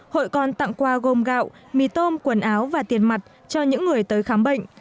hội còn tặng qua gom gạo mì tôm quần áo và tiền mặt cho những người tới khám bệnh